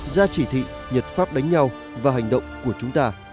ra chỉ thị nhật pháp đánh nhau và hành động của chúng ta